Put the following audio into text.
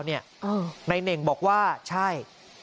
นายเน่งบอกว่าใช่